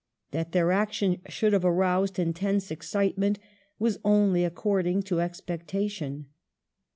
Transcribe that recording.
That their action should have aroused intense excitement was only according to expectation.